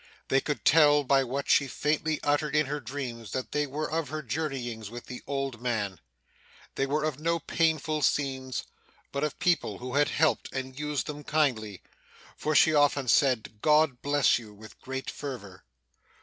They could tell, by what she faintly uttered in her dreams, that they were of her journeyings with the old man; they were of no painful scenes, but of people who had helped and used them kindly, for she often said 'God bless you!' with great fervour.